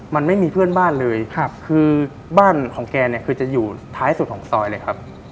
มันไม่มีเพื่อนบ้านเลยคือบ้านของแกเนี่ยคือจะอยู่ท้ายสุดของซอยเลยครับ